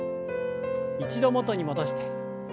一度元に戻して。